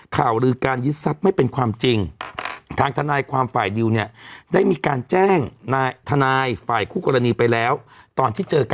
คือแกเสียงแกไม่ได้สุดท้ายก็เลยไปหาหมอ